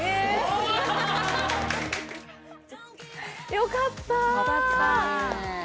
よかったー。